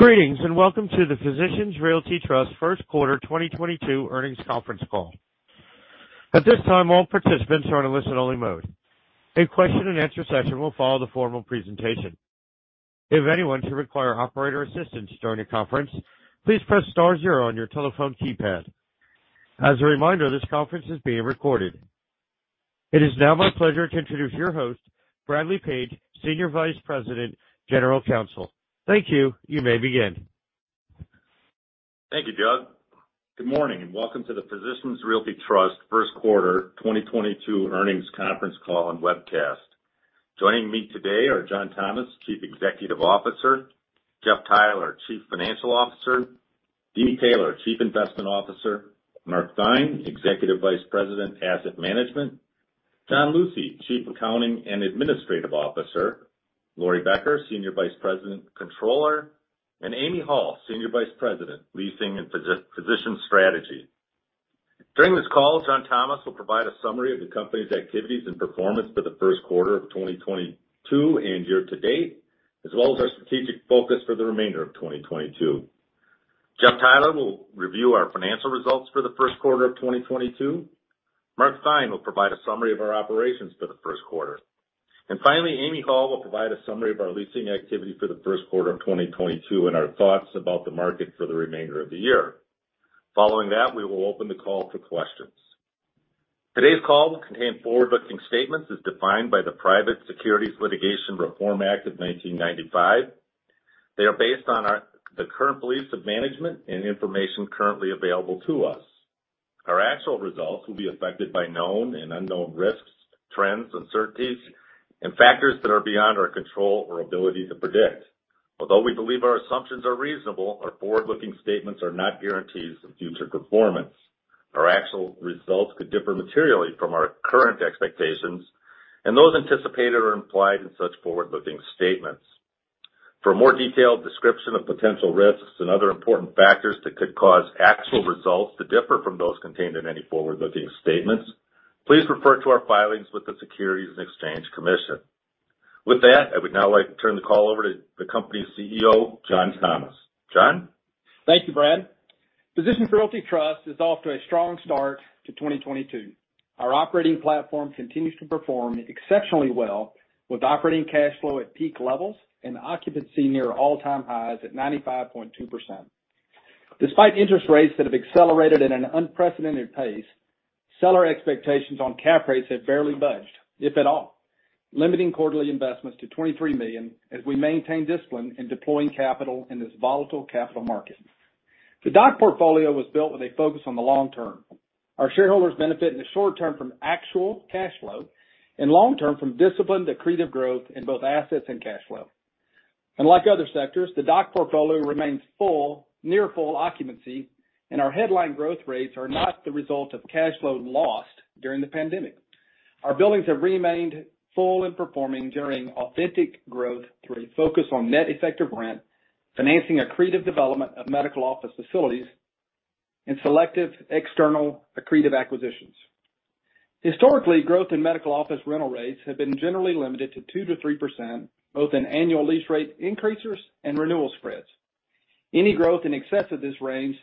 Greetings, and Welcome to the Physicians Realty Trust first quarter 2022 earnings conference call. At this time, all participants are in listen-only mode. A question-and-answer session will follow the formal presentation. If anyone should require operator assistance during the conference, please press star zero on your telephone keypad. As a reminder, this conference is being recorded. It is now my pleasure to introduce your host, Bradley Page, Senior Vice President, General Counsel. Thank you. You may begin. Thank you, Doug. Good morning, and Welcome to the Physicians Realty Trust first quarter 2022 earnings conference call and webcast. Joining me today are John Thomas, Chief Executive Officer, Jeff Theiler, Chief Financial Officer, Dean Taylor, Chief Investment Officer, Mark Theine, Executive Vice President, Asset Management, John Lucy, Chief Accounting and Administrative Officer, Lori Becker, Senior Vice President, Controller, and Amy Hall, Senior Vice President, Leasing and Physician Strategy. During this call, John Thomas will provide a summary of the company's activities and performance for the first quarter of 2022 and year to date, as well as our strategic focus for the remainder of 2022. Jeff Theiler will review our financial results for the first quarter of 2022. Mark Theine will provide a summary of our operations for the first quarter. Finally, Amy Hall will provide a summary of our leasing activity for the first quarter of 2022 and our thoughts about the market for the remainder of the year. Following that, we will open the call to questions. Today's call will contain forward-looking statements as defined by the Private Securities Litigation Reform Act of 1995. They are based on the current beliefs of management and information currently available to us. Our actual results will be affected by known and unknown risks, trends, uncertainties, and factors that are beyond our control or ability to predict. Although we believe our assumptions are reasonable, our forward-looking statements are not guarantees of future performance. Our actual results could differ materially from our current expectations and those anticipated or implied in such forward-looking statements. For a more detailed description of potential risks and other important factors that could cause actual results to differ from those contained in any forward-looking statements, please refer to our filings with the Securities and Exchange Commission. With that, I would now like to turn the call over to the company's CEO, John Thomas. John? Thank you, Brad. Physicians Realty Trust is off to a strong start to 2022. Our operating platform continues to perform exceptionally well, with operating cash flow at peak levels and occupancy near all-time highs at 95.2%. Despite interest rates that have accelerated at an unprecedented pace, seller expectations on cap rates have barely budged, if at all, limiting quarterly investments to $23 million as we maintain discipline in deploying capital in this volatile capital market. The DOC portfolio was built with a focus on the long term. Our shareholders benefit in the short term from actual cash flow, and long term from disciplined accretive growth in both assets and cash flow. Like other sectors, the DOC portfolio remains full, near full occupancy, and our headline growth rates are not the result of cash flow lost during the pandemic. Our buildings have remained full and performing during authentic growth through a focus on net effective rent, financing accretive development of medical office facilities, and selective external accretive acquisitions. Historically, growth in medical office rental rates have been generally limited to 2%-3%, both in annual lease rate increases and renewal spreads. Any growth in excess of this range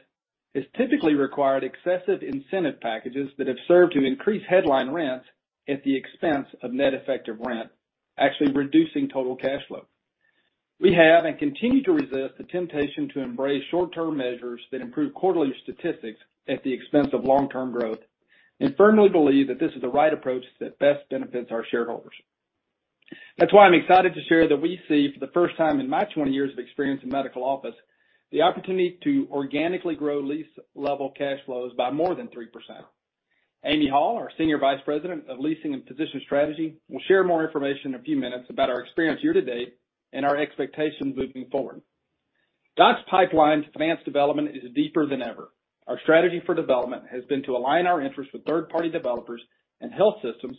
has typically required excessive incentive packages that have served to increase headline rents at the expense of net effective rent, actually reducing total cash flow. We have and continue to resist the temptation to embrace short-term measures that improve quarterly statistics at the expense of long-term growth and firmly believe that this is the right approach that best benefits our shareholders. That's why I'm excited to share that we see, for the first time in my 20 years of experience in medical office, the opportunity to organically grow lease level cash flows by more than 3%. Amy Hall, our Senior Vice President of Leasing and Physician Strategy, will share more information in a few minutes about our experience year to date and our expectations moving forward. DOC's pipeline financed development is deeper than ever. Our strategy for development has been to align our interests with third-party developers and health systems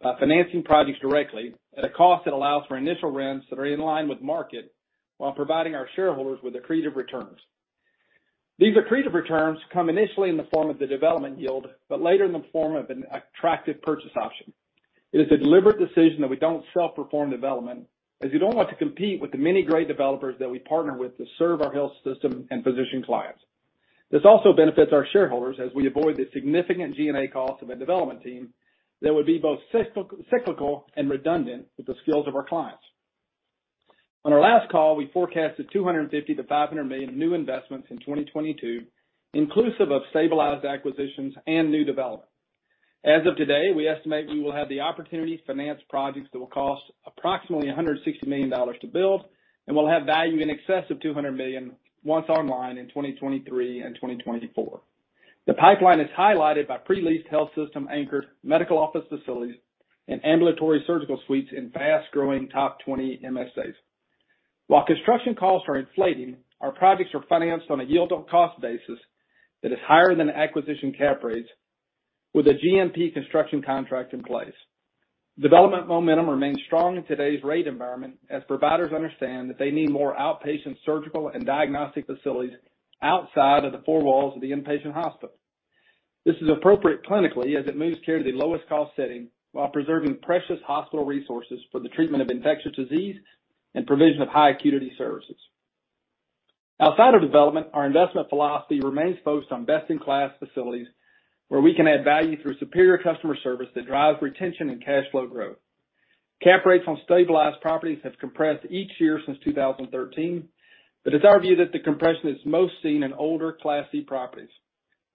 by financing projects directly at a cost that allows for initial rents that are in line with market while providing our shareholders with accretive returns. These accretive returns come initially in the form of the development yield, but later in the form of an attractive purchase option. It is a deliberate decision that we don't self-perform development, as we don't want to compete with the many great developers that we partner with to serve our health system and physician clients. This also benefits our shareholders as we avoid the significant G&A cost of a development team that would be both cyclical and redundant with the skills of our clients. On our last call, we forecasted $250 million-$500 million new investments in 2022, inclusive of stabilized acquisitions and new development. As of today, we estimate we will have the opportunity to finance projects that will cost approximately $160 million to build and will have value in excess of $200 million once online in 2023 and 2024. The pipeline is highlighted by pre-leased health system anchored medical office facilities and ambulatory surgical suites in fast growing top 20 MSAs. While construction costs are inflating, our projects are financed on a yield on cost basis that is higher than acquisition cap rates with a GMP construction contract in place. Development momentum remains strong in today's rate environment as providers understand that they need more outpatient surgical and diagnostic facilities outside of the four walls of the inpatient hospital. This is appropriate clinically as it moves care to the lowest cost setting while preserving precious hospital resources for the treatment of infectious disease and provision of high acuity services. Outside of development, our investment philosophy remains focused on best-in-class facilities where we can add value through superior customer service that drives retention and cash flow growth. Cap rates on stabilized properties have compressed each year since 2013, but it's our view that the compression is most seen in older Class C properties.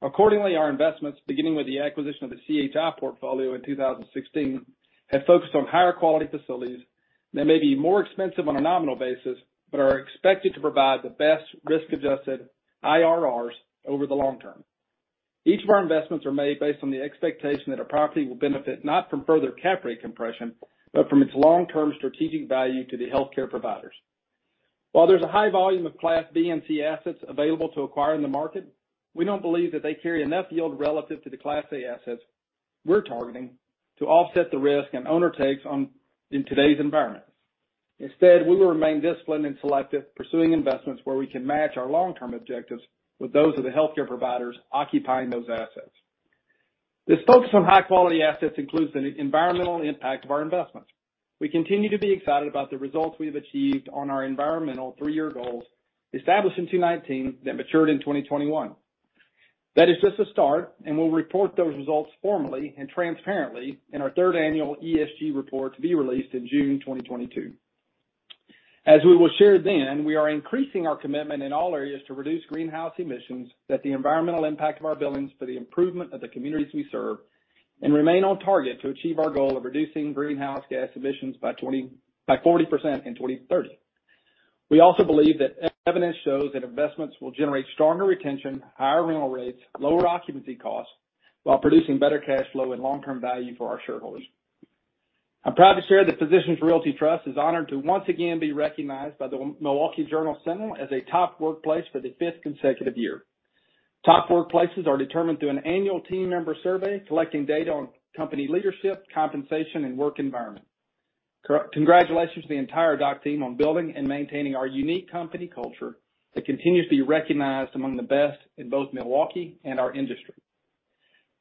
Accordingly, our investments, beginning with the acquisition of the CHI portfolio in 2016, have focused on higher quality facilities that may be more expensive on a nominal basis, but are expected to provide the best risk-adjusted IRRs over the long term. Each of our investments are made based on the expectation that a property will benefit not from further cap rate compression, but from its long-term strategic value to the healthcare providers. While there's a high volume of Class B and C assets available to acquire in the market, we don't believe that they carry enough yield relative to the Class A assets we're targeting to offset the risk an owner takes on in today's environment. Instead, we will remain disciplined and selective, pursuing investments where we can match our long-term objectives with those of the healthcare providers occupying those assets. This focus on high-quality assets includes the environmental impact of our investments. We continue to be excited about the results we've achieved on our environmental three-year goals established in 2019 that matured in 2021. That is just a start, and we'll report those results formally and transparently in our third annual ESG report to be released in June 2022. As we will share then, we are increasing our commitment in all areas to reduce greenhouse gas emissions and the environmental impact of our buildings for the improvement of the communities we serve and remain on target to achieve our goal of reducing greenhouse gas emissions by 40% in 2030. We also believe that evidence shows that investments will generate stronger retention, higher rental rates, lower occupancy costs while producing better cash flow and long-term value for our shareholders. I'm proud to share that Physicians Realty Trust is honored to once again be recognized by the Milwaukee Journal Sentinel as a top workplace for the fifth consecutive year. Top workplaces are determined through an annual team member survey, collecting data on company leadership, compensation, and work environment. Congratulations to the entire DOC team on building and maintaining our unique company culture that continues to be recognized among the best in both Milwaukee and our industry.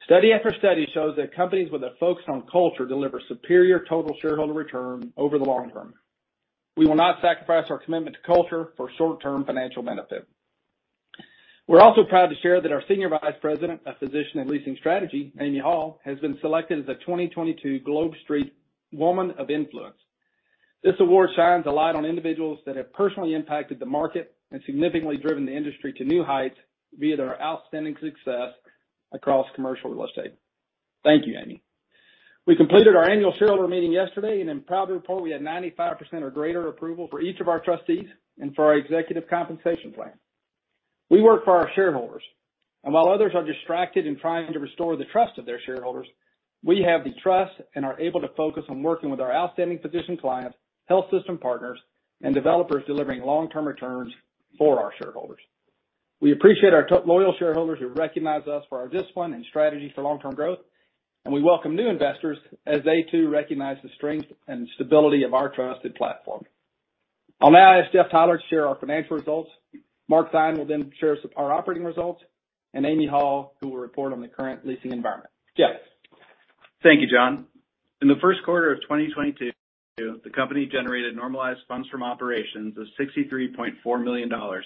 Study after study shows that companies with a focus on culture deliver superior total shareholder return over the long term. We will not sacrifice our commitment to culture for short-term financial benefit. We're also proud to share that our Senior Vice President of Physician and Leasing Strategy, Amy Hall, has been selected as a 2022 GlobeSt. Women of Influence. This award shines a light on individuals that have personally impacted the market and significantly driven the industry to new heights via their outstanding success across commercial real estate. Thank you, Amy. We completed our annual shareholder meeting yesterday, and I'm proud to report we had 95% or greater approval for each of our trustees and for our executive compensation plan. We work for our shareholders, and while others are distracted in trying to restore the trust of their shareholders, we have the trust and are able to focus on working with our outstanding physician clients, health system partners, and developers delivering long-term returns for our shareholders. We appreciate our loyal shareholders who recognize us for our discipline and strategy for long-term growth, and we welcome new investors as they too recognize the strength and stability of our trusted platform. I'll now ask Jeff Theiler to share our financial results. Mark Theine will then share our operating results, and Amy Hall, who will report on the current leasing environment. Jeff? Thank you, John. In the first quarter of 2022, the company generated normalized funds from operations of $63.4 million or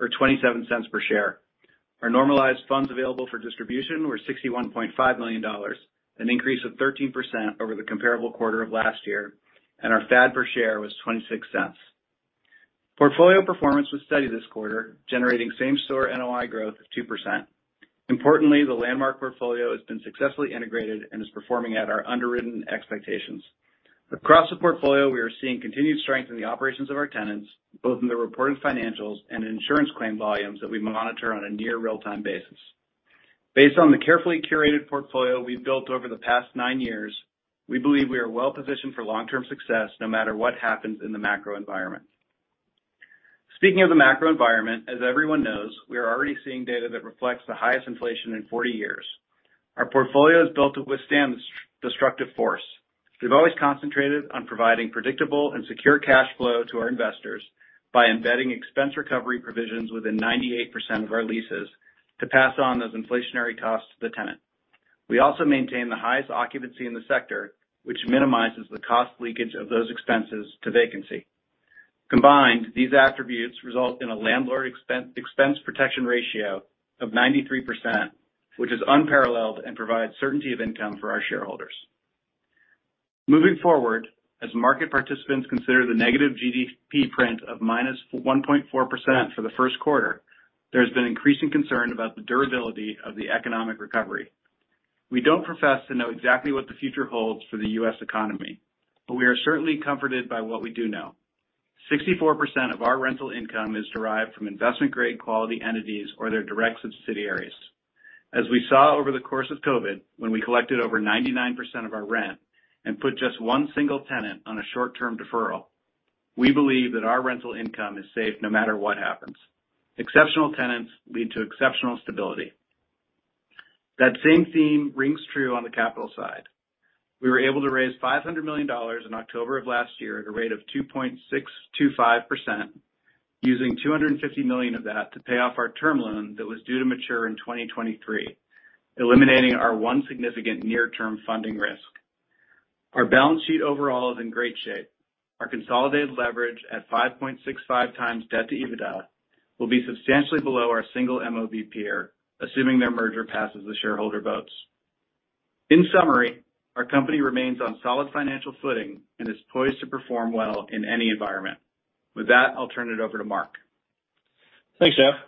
$0.27 per share. Our normalized funds available for distribution were $61.5 million, an increase of 13% over the comparable quarter of last year, and our FAD per share was $0.26. Portfolio performance was steady this quarter, generating same-store NOI growth of 2%. Importantly, the Landmark portfolio has been successfully integrated and is performing at our underwritten expectations. Across the portfolio, we are seeing continued strength in the operations of our tenants, both in the reported financials and insurance claim volumes that we monitor on a near real-time basis. Based on the carefully curated portfolio we've built over the past nine years, we believe we are well positioned for long-term success no matter what happens in the macro environment. Speaking of the macro environment, as everyone knows, we are already seeing data that reflects the highest inflation in 40 years. Our portfolio is built to withstand this destructive force. We've always concentrated on providing predictable and secure cash flow to our investors by embedding expense recovery provisions within 98% of our leases to pass on those inflationary costs to the tenant. We also maintain the highest occupancy in the sector, which minimizes the cost leakage of those expenses to vacancy. Combined, these attributes result in a landlord expense protection ratio of 93%, which is unparalleled and provides certainty of income for our shareholders. Moving forward, as market participants consider the negative GDP print of -1.4% for the first quarter, there's been increasing concern about the durability of the economic recovery. We don't profess to know exactly what the future holds for the U.S. economy, but we are certainly comforted by what we do know. 64% of our rental income is derived from investment-grade quality entities or their direct subsidiaries. As we saw over the course of COVID, when we collected over 99% of our rent and put just one single tenant on a short-term deferral, we believe that our rental income is safe no matter what happens. Exceptional tenants lead to exceptional stability. That same theme rings true on the capital side. We were able to raise $500 million in October of last year at a rate of 2.625%, using $250 million of that to pay off our term loan that was due to mature in 2023, eliminating our one significant near-term funding risk. Our balance sheet overall is in great shape. Our consolidated leverage at 5.65x debt to EBITDA will be substantially below our single MOB peer, assuming their merger passes the shareholder votes. In summary, our company remains on solid financial footing and is poised to perform well in any environment. With that, I'll turn it over to Mark. Thanks, Jeff.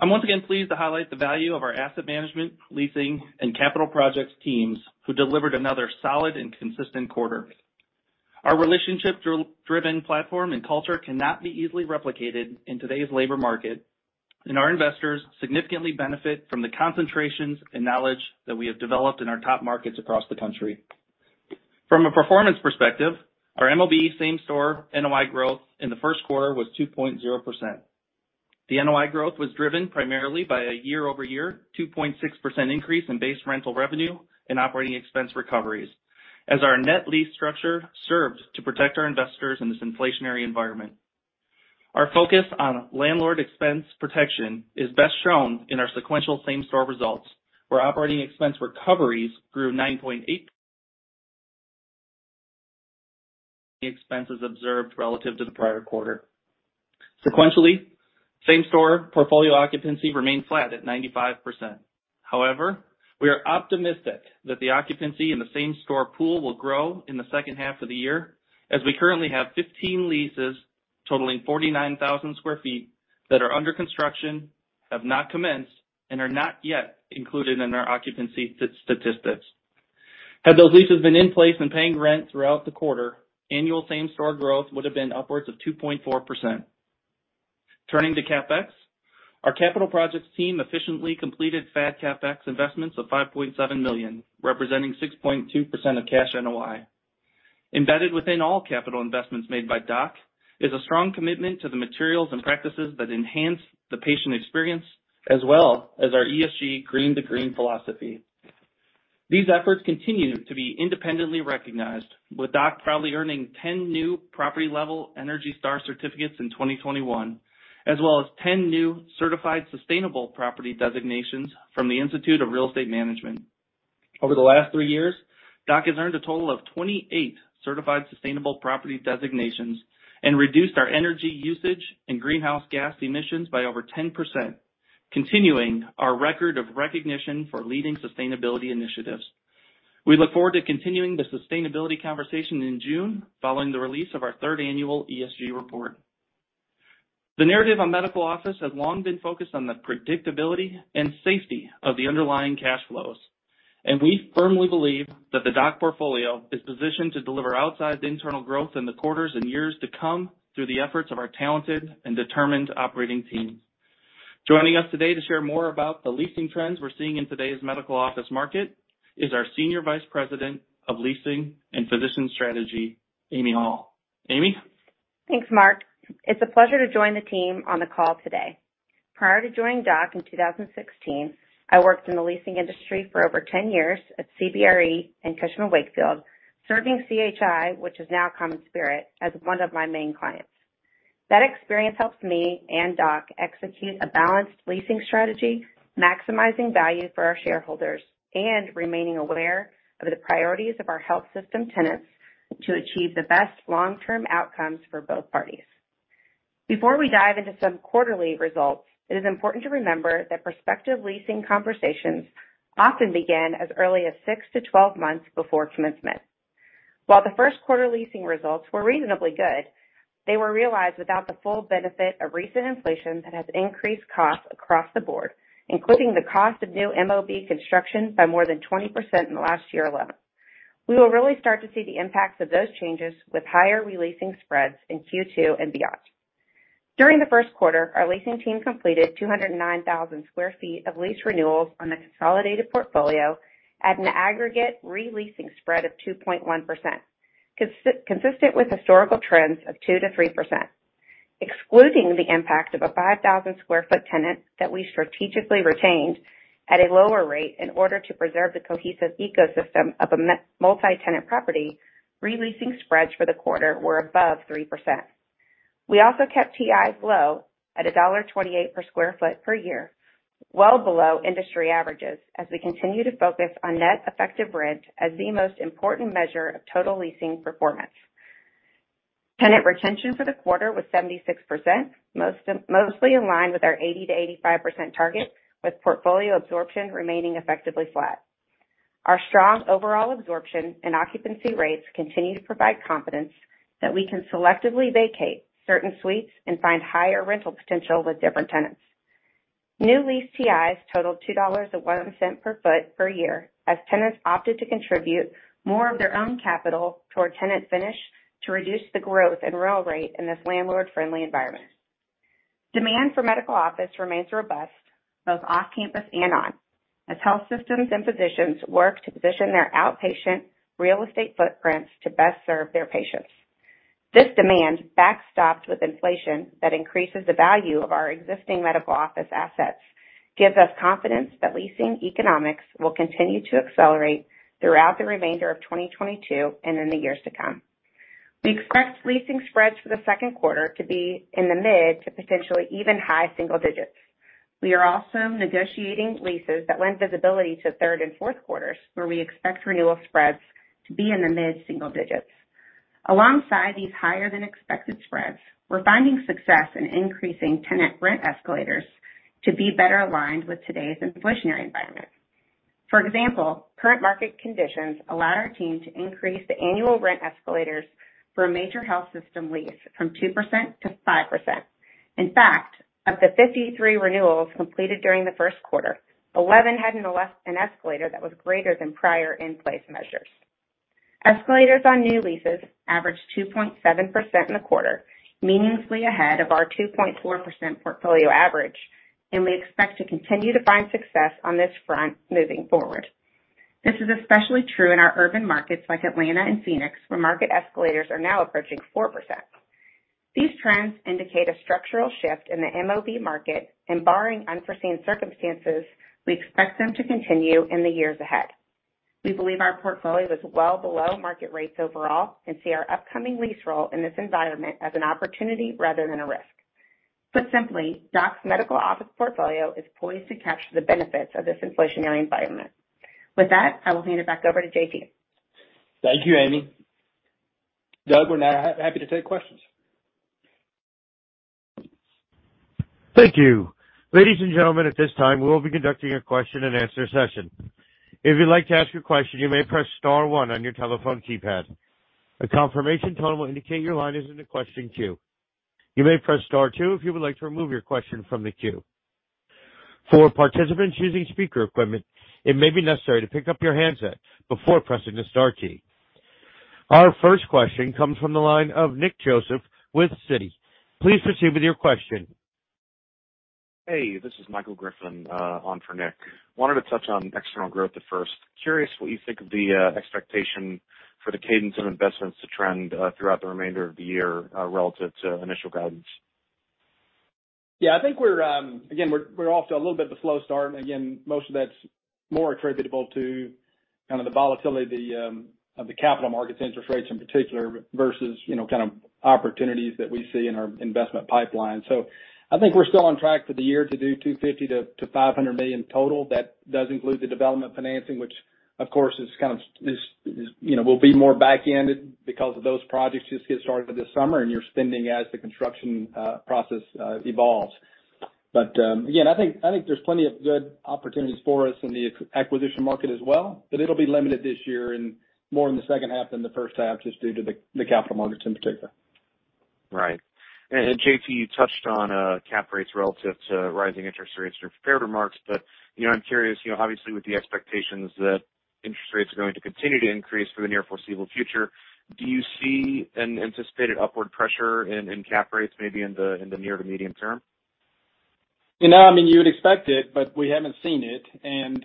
I'm once again pleased to highlight the value of our asset management, leasing, and capital projects teams, who delivered another solid and consistent quarter. Our relationship-driven platform and culture cannot be easily replicated in today's labor market, and our investors significantly benefit from the concentrations and knowledge that we have developed in our top markets across the country. From a performance perspective, our MOB same-store NOI growth in the first quarter was 2.0%. The NOI growth was driven primarily by a year-over-year 2.6% increase in base rental revenue and operating expense recoveries, as our net lease structure served to protect our investors in this inflationary environment. Our focus on landlord expense protection is best shown in our sequential same-store results, where operating expense recoveries grew 9.8% over expenses observed relative to the prior quarter. Sequentially, same-store portfolio occupancy remained flat at 95%. However, we are optimistic that the occupancy in the same-store pool will grow in the second half of the year, as we currently have 15 leases totaling 49,000 sq ft that are under construction, have not commenced, and are not yet included in our occupancy statistics. Had those leases been in place and paying rent throughout the quarter, annual same-store growth would have been upwards of 2.4%. Turning to CapEx, our capital projects team efficiently completed FAD CapEx investments of $5.7 million, representing 6.2% of cash NOI. Embedded within all capital investments made by DOC is a strong commitment to the materials and practices that enhance the patient experience as well as our ESG Green to Green philosophy. These efforts continue to be independently recognized, with DOC proudly earning 10 new property-level ENERGY STAR certificates in 2021, as well as 10 new certified sustainable property designations from the Institute of Real Estate Management. Over the last three years, DOC has earned a total of 28 certified sustainable property designations and reduced our energy usage and greenhouse gas emissions by over 10%, continuing our record of recognition for leading sustainability initiatives. We look forward to continuing the sustainability conversation in June following the release of our third annual ESG report. The narrative on medical office has long been focused on the predictability and safety of the underlying cash flows, and we firmly believe that the DOC portfolio is positioned to deliver outsized internal growth in the quarters and years to come through the efforts of our talented and determined operating teams. Joining us today to share more about the leasing trends we're seeing in today's medical office market is our Senior Vice President of Leasing and Physician Strategy, Amy Hall. Amy? Thanks, Mark. It's a pleasure to join the team on the call today. Prior to joining DOC in 2016, I worked in the leasing industry for over 10 years at CBRE and Cushman & Wakefield, serving CHI, which is now CommonSpirit, as one of my main clients. That experience helps me and DOC execute a balanced leasing strategy, maximizing value for our shareholders, and remaining aware of the priorities of our health system tenants to achieve the best long-term outcomes for both parties. Before we dive into some quarterly results, it is important to remember that prospective leasing conversations often begin as early as six to 12 months before commencement. While the first quarter leasing results were reasonably good, they were realized without the full benefit of recent inflation that has increased costs across the board, including the cost of new MOB construction by more than 20% in the last year alone. We will really start to see the impacts of those changes with higher re-leasing spreads in Q2 and beyond. During the first quarter, our leasing team completed 209,000 sq ft of lease renewals on the consolidated portfolio at an aggregate re-leasing spread of 2.1%, consistent with historical trends of 2%-3%. Excluding the impact of a 5,000 sq ft tenant that we strategically retained at a lower rate in order to preserve the cohesive ecosystem of a multi-tenant property, re-leasing spreads for the quarter were above 3%. We also kept TIs low at $1.28 per sq ft per year, well below industry averages, as we continue to focus on net effective rent as the most important measure of total leasing performance. Tenant retention for the quarter was 76%, mostly in line with our 80%-85% target, with portfolio absorption remaining effectively flat. Our strong overall absorption and occupancy rates continue to provide confidence that we can selectively vacate certain suites and find higher rental potential with different tenants. New lease TIs totaled $2.01 per sq ft per year, as tenants opted to contribute more of their own capital toward tenant finish to reduce the growth and roll rate in this landlord-friendly environment. Demand for medical office remains robust, both off-campus and on, as health systems and physicians work to position their outpatient real estate footprints to best serve their patients. This demand backstopped with inflation that increases the value of our existing medical office assets, gives us confidence that leasing economics will continue to accelerate throughout the remainder of 2022 and in the years to come. We expect leasing spreads for the second quarter to be in the mid to potentially even high single digits. We are also negotiating leases that lend visibility to third and fourth quarters, where we expect renewal spreads to be in the mid single digits. Alongside these higher than expected spreads, we're finding success in increasing tenant rent escalators to be better aligned with today's inflationary environment. For example, current market conditions allow our team to increase the annual rent escalators for a major health system lease from 2%-5%. In fact, of the 53 renewals completed during the first quarter, 11 had an escalator that was greater than prior in-place measures. Escalators on new leases averaged 2.7% in the quarter, meaningfully ahead of our 2.4% portfolio average, and we expect to continue to find success on this front moving forward. This is especially true in our urban markets like Atlanta and Phoenix, where market escalators are now approaching 4%. These trends indicate a structural shift in the MOB market, and barring unforeseen circumstances, we expect them to continue in the years ahead. We believe our portfolio is well below market rates overall and see our upcoming lease roll in this environment as an opportunity rather than a risk. Put simply, DOC's medical office portfolio is poised to capture the benefits of this inflationary environment. With that, I will hand it back over to JT. Thank you, Amy. Doug, we're now happy to take questions. Thank you. Ladies and gentlemen, at this time, we will be conducting a question-and-answer session. If you'd like to ask a question, you may press star one on your telephone keypad. A confirmation tone will indicate your line is in the question queue. You may press star two if you would like to remove your question from the queue. For participants using speaker equipment, it may be necessary to pick up your handset before pressing the star key. Our first question comes from the line of Nick Joseph with Citi. Please proceed with your question. Hey, this is Michael Griffin, on for Nick. Wanted to touch on external growth at first. Curious what you think of the expectation for the cadence of investments to trend throughout the remainder of the year relative to initial guidance. Yeah, I think we're off to a little bit of a slow start. Again, most of that's more attributable to kind of the volatility of the capital markets, interest rates in particular, versus, you know, kind of opportunities that we see in our investment pipeline. I think we're still on track for the year to do $250 million-$500 million total. That does include the development financing, which of course is kind of, you know, will be more back ended because of those projects just get started this summer and you're spending as the construction process evolves. Again, I think there's plenty of good opportunities for us in the acquisition market as well, but it'll be limited this year and more in the second half than the first half just due to the capital markets in particular. Right. JT, you touched on cap rates relative to rising interest rates in your prepared remarks. You know, I'm curious, you know, obviously with the expectations that interest rates are going to continue to increase for the near foreseeable future, do you see an anticipated upward pressure in cap rates maybe in the near to medium term? You know, I mean, you would expect it, but we haven't seen it.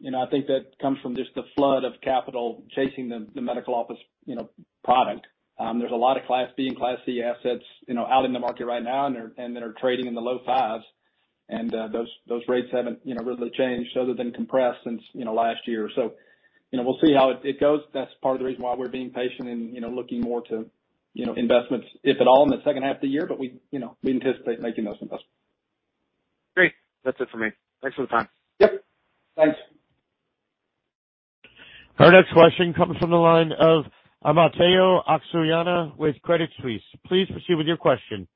You know, I think that comes from just the flood of capital chasing the medical office, you know, product. There's a lot of class B and class C assets, you know, out in the market right now and that are trading in the low fives. Those rates haven't, you know, really changed other than compressed since, you know, last year. You know, we'll see how it goes. That's part of the reason why we're being patient and, you know, looking more to, you know, investments, if at all, in the second half of the year. We, you know, we anticipate making those investments. Great. That's it for me. Thanks for the time. Yep. Thanks. Our next question comes from the line of Omotayo Okusanya with Credit Suisse. Please proceed with your question.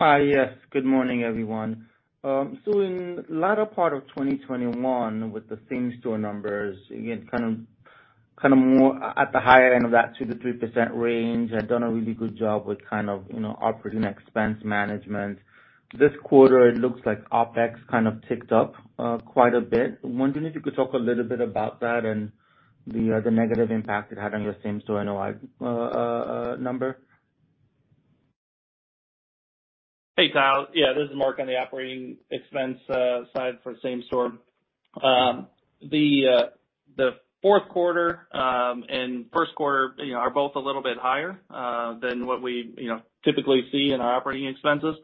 Hi. Yes, good morning, everyone. In latter part of 2021 with the same-store numbers, again, kind of more at the higher end of that 2%-3% range and done a really good job with kind of, you know, operating expense management. This quarter, it looks like OpEx kind of ticked up, quite a bit. I'm wondering if you could talk a little bit about that and the negative impact it had on your same-store NOI number. Hey, Tayo. Yeah, this is Mark Theine on the operating expense side for same store. The fourth quarter and first quarter, you know, are both a little bit higher than what we, you know, typically see in our operating expenses.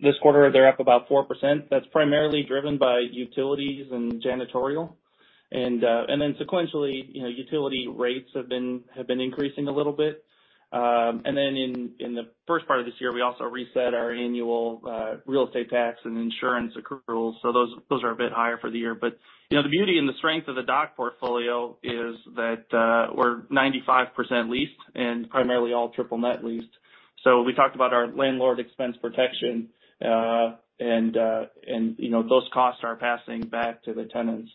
This quarter, they're up about 4%. That's primarily driven by utilities and janitorial. Sequentially, you know, utility rates have been increasing a little bit. In the first part of this year, we also reset our annual real estate tax and insurance accruals. Those are a bit higher for the year. You know, the beauty and the strength of the DOC portfolio is that we're 95% leased and primarily all triple net leased. We talked about our landlord expense protection, and you know, those costs are passing back to the tenants.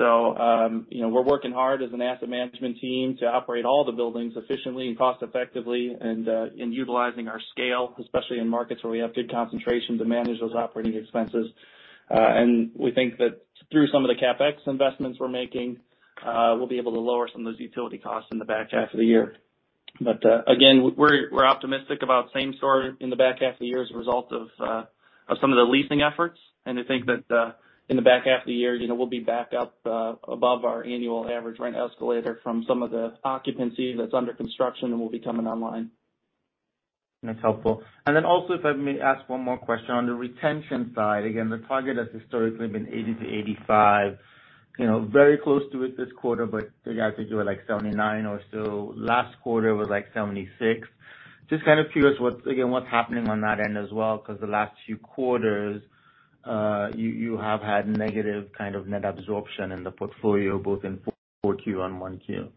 We're working hard as an asset management team to operate all the buildings efficiently and cost effectively and in utilizing our scale, especially in markets where we have good concentration to manage those operating expenses. We think that through some of the CapEx investments we're making, we'll be able to lower some of those utility costs in the back half of the year. We're optimistic about same store in the back half of the year as a result of. Of some of the leasing efforts, and I think that, in the back half of the year, you know, we'll be back up above our annual average rent escalator from some of the occupancy that's under construction and will be coming online. That's helpful. Then also, if I may ask one more question. On the retention side, again, the target has historically been 80%-85%. You know, very close to it this quarter, but you guys could do it like 79% or so. Last quarter was like 76%. Just kind of curious what's again, what's happening on that end as well, because the last few quarters, you have had negative kind of net absorption in the portfolio, both in 4Q and 1Q.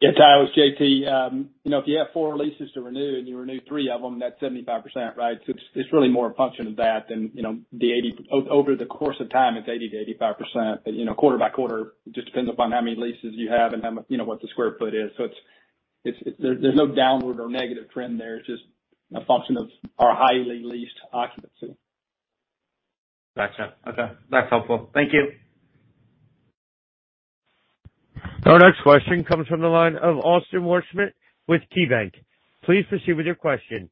Yeah, Ty, it was JT. You know, if you have four leases to renew, and you renew three of them, that's 75%, right? It's really more a function of that than, you know, the 80% over the course of time. It's 80%-85%. You know, quarter by quarter, it just depends upon how many leases you have, and you know, what the square foot is. It's, there's no downward or negative trend there. It's just a function of our highly leased occupancy. Gotcha. Okay, that's helpful. Thank you. Our next question comes from the line of Austin Wurschmidt with KeyBanc. Please proceed with your question.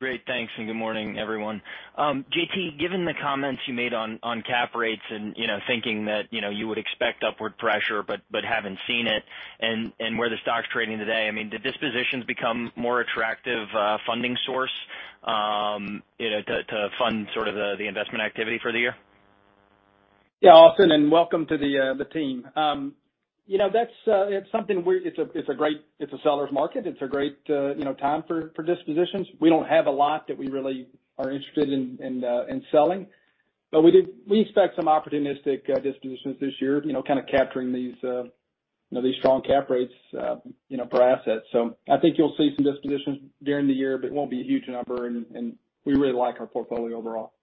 Great. Thanks, and good morning, everyone. JT, given the comments you made on cap rates and, you know, thinking that you would expect upward pressure but haven't seen it, and where the stock's trading today, I mean, did dispositions become more attractive funding source, you know, to fund sort of the investment activity for the year? Yeah, Austin, and welcome to the team. You know, that's it's a great seller's market. It's a great you know time for dispositions. We don't have a lot that we really are interested in selling. We expect some opportunistic dispositions this year, you know, kind of capturing these you know these strong cap rates you know per asset. I think you'll see some dispositions during the year, but it won't be a huge number and we really like our portfolio overall.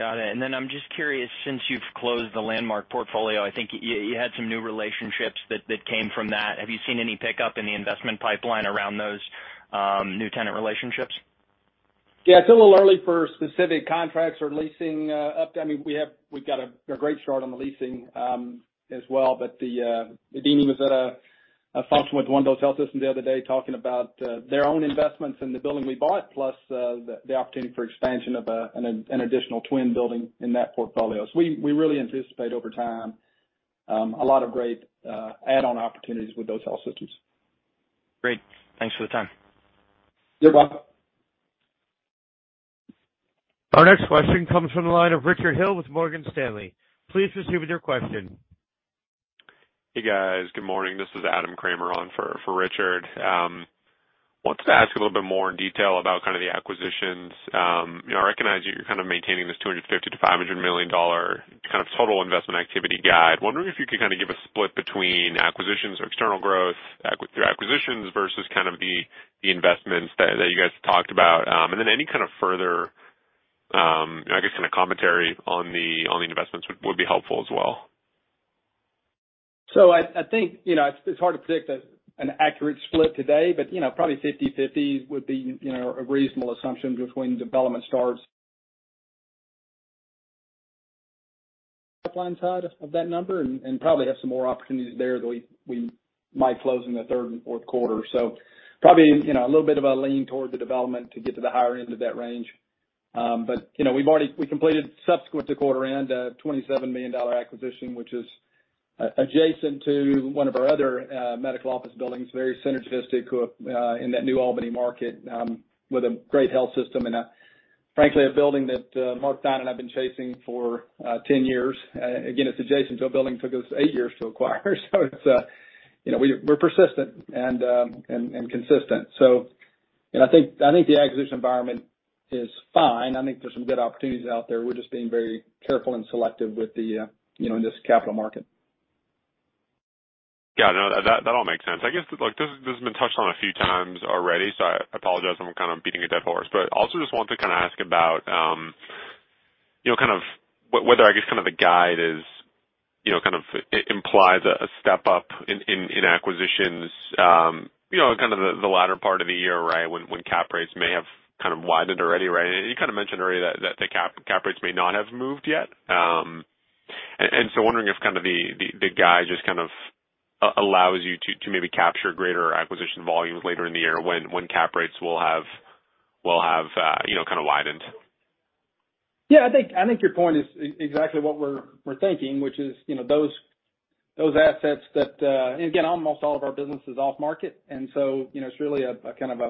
Got it. I'm just curious, since you've closed the Landmark portfolio, I think you had some new relationships that came from that. Have you seen any pickup in the investment pipeline around those new tenant relationships? Yeah. It's a little early for specific contracts or leasing. I mean, we've got a great start on the leasing as well. The dean was at a function with one of those health systems the other day talking about their own investments in the building we bought, plus the opportunity for expansion of an additional twin building in that portfolio. We really anticipate over time a lot of great add-on opportunities with those health systems. Great. Thanks for the time. You're welcome. Our next question comes from the line of Richard Hill with Morgan Stanley. Please proceed with your question. Hey, guys. Good morning. This is Adam Kramer on for Richard. Wanted to ask a little bit more in detail about kind of the acquisitions. You know, I recognize you're kind of maintaining this $250-$500 million kind of total investment activity guide. Wondering if you could kind of give a split between acquisitions or external growth through acquisitions versus kind of the investments that you guys talked about. Then any kind of further, I guess, kind of commentary on the investments would be helpful as well. I think you know it's hard to predict an accurate split today, but you know probably 50/50 would be you know a reasonable assumption between development starts pipeline side of that number and probably have some more opportunities there that we might close in the third and fourth quarter. Probably you know a little bit of a lean toward the development to get to the higher end of that range. But you know we completed subsequent to quarter end $27 million acquisition which is adjacent to one of our other medical office buildings very synergistic in that New Albany market with a great health system and frankly a building that Mark Theine and I've been chasing for 10 years. Again, it's adjacent to a building took us eight years to acquire. It's you know, we're persistent and consistent. You know, I think the acquisition environment is fine. I think there's some good opportunities out there. We're just being very careful and selective with the, you know, in this capital market. Yeah. No, that all makes sense. I guess, look, this has been touched on a few times already, so I apologize if I'm kind of beating a dead horse, but also just wanted to kind of ask about, you know, kind of whether I guess kind of the guide is, you know, kind of implies a step-up in acquisitions, you know, kind of the latter part of the year, right, when cap rates may have kind of widened already, right? You kind of mentioned already that the cap rates may not have moved yet. Wondering if kind of the guide just kind of allows you to maybe capture greater acquisition volumes later in the year when cap rates will have, you know, kind of widened. Yeah. I think your point is exactly what we're thinking, which is, you know, those assets that almost all of our business is off market, and so, you know, it's really a kind of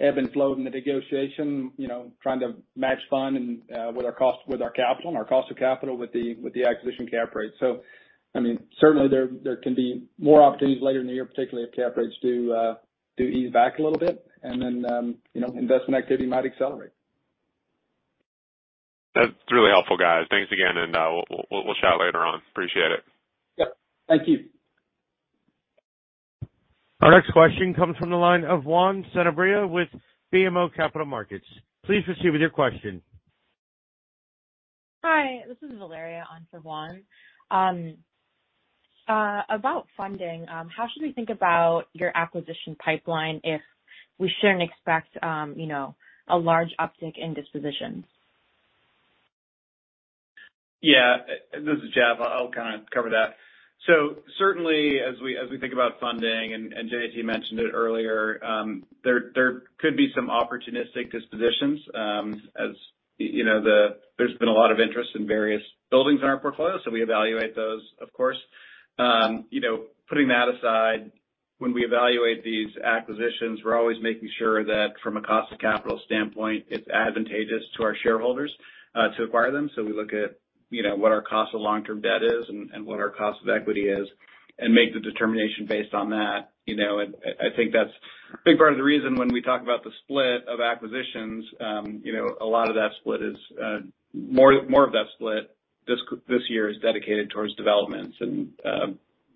ebb and flow in the negotiation, you know, trying to match funding with our cost of capital with the acquisition cap rate. I mean, certainly there can be more opportunities later in the year, particularly if cap rates do ease back a little bit and then, you know, investment activity might accelerate. That's really helpful, guys. Thanks again, and we'll chat later on. Appreciate it. Yep. Thank you. Our next question comes from the line of Juan Sanabria with BMO Capital Markets. Please proceed with your question. Hi, this is Valeria on for Juan. About funding, how should we think about your acquisition pipeline if we shouldn't expect, you know, a large uptick in dispositions? Yeah. This is Jeff. I'll kind of cover that. Certainly, as we think about funding, and JT mentioned it earlier, there could be some opportunistic dispositions, as you know. There's been a lot of interest in various buildings in our portfolio, so we evaluate those, of course. You know, putting that aside, when we evaluate these acquisitions, we're always making sure that from a cost of capital standpoint, it's advantageous to our shareholders to acquire them. We look at, you know, what our cost of long-term debt is and what our cost of equity is and make the determination based on that. You know, I think that's a big part of the reason when we talk about the split of acquisitions, you know, a lot of that split is more of that split this year is dedicated towards developments and,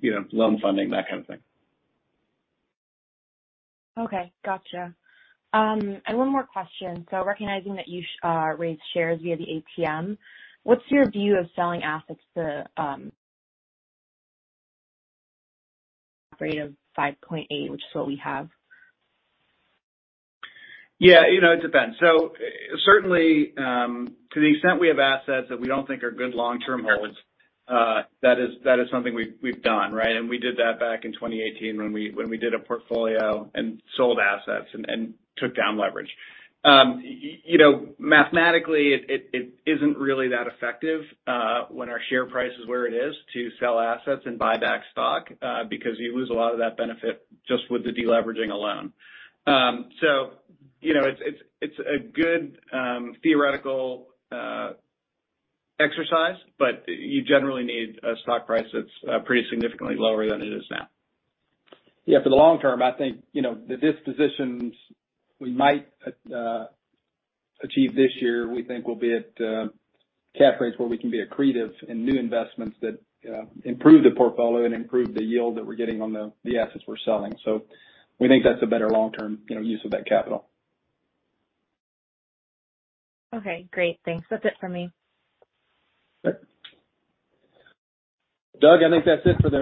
you know, loan funding, that kind of thing. Okay. Gotcha. One more question. Recognizing that you raised shares via the ATM, what's your view of selling assets at a rate of 5.8%, which is what we have? Yeah. You know, it depends. Certainly, to the extent we have assets that we don't think are good long-term holds, that is something we've done, right? We did that back in 2018 when we did a portfolio and sold assets and took down leverage. You know, mathematically, it isn't really that effective when our share price is where it is to sell assets and buy back stock, because you lose a lot of that benefit just with the deleveraging alone. You know, it's a good theoretical exercise, but you generally need a stock price that's pretty significantly lower than it is now. Yeah. For the long term, I think, you know, the dispositions we might achieve this year, we think we'll be at cap rates where we can be accretive in new investments that improve the portfolio and improve the yield that we're getting on the assets we're selling. We think that's a better long-term, you know, use of that capital. Okay, great. Thanks. That's it for me. Doug, I think that's it for the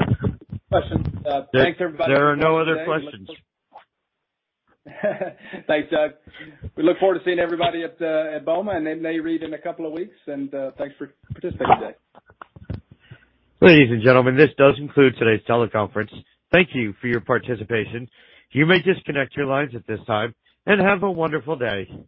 questions. Thanks, everybody. There are no other questions. Thanks, Doug. We look forward to seeing everybody at BOMA and then NAREIT in a couple of weeks. Thanks for participating today. Ladies and gentlemen, this does conclude today's teleconference. Thank you for your participation. You may disconnect your lines at this time and have a wonderful day.